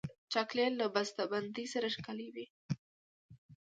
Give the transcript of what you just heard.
چاکلېټ له بسته بندۍ سره ښکلی وي.